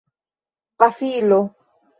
pafilo